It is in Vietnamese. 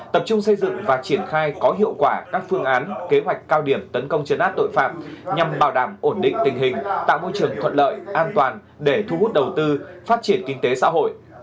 tập trung xây dựng và triển khai có hiệu quả các phương án kế hoạch cao điểm tấn công chấn áp tội phạm nhằm bảo đảm ổn định tình hình tạo môi trường thuận lợi an toàn để thu hút đầu tư phát triển kinh tế xã hội